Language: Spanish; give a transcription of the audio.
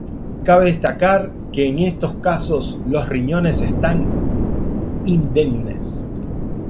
Cabe destacar que en estos casos, los riñones están indemnes.